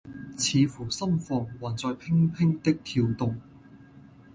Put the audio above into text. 似乎心房還在怦怦的跳動。